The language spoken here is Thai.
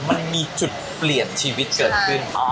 มันมีจุดเปลี่ยนชีวิตเกิดขึ้น